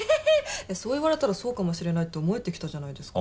そう言われたらそうかもしれないって思えてきたじゃないですか。